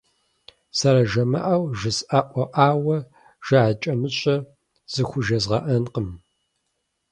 Зэрыжамыӏэу жысӏэӏуэӏауэ жыӏэкӏэмыщӏэ зыхужезгъэӏэнкъым.